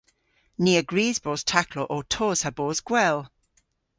Ni a grys bos taklow ow tos ha bos gwell.